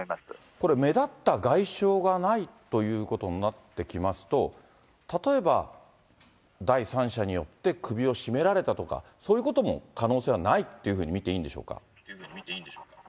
これ、目立った外傷がないということになってきますと、例えば第三者によって首を絞められたとか、そういうことも可能性はないっていうふうに見ていいんでしょうか。